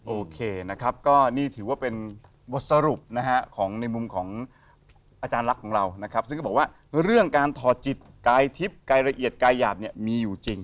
โอเคนะครับก็นี่ถือว่าเป็นบทสรุปนะฮะของในมุมของอาจารย์ลักษณ์ของเรานะครับซึ่งก็บอกว่าเรื่องการถอดจิตกายทิพย์กายละเอียดกายหยาบเนี่ยมีอยู่จริง